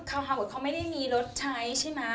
เห่าเขาไม่ได้มีรถใช้ใช่ไหม